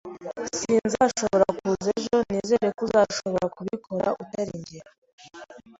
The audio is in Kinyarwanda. Sinzashobora kuza ejo. Nizere ko uzashobora kubikora utari njye.